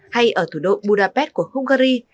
hay ở thủ đô budapest của hungary